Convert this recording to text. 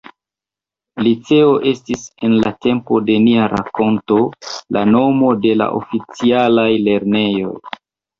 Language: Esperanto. Liceo estis, en la tempo de nia rakonto, la nomo de la oficialaj lernejoj.